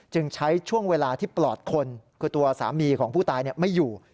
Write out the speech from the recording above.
ใช้ช่วงเวลาที่ปลอดคนคือตัวสามีของผู้ตายไม่อยู่